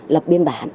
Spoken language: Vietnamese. lập biên bản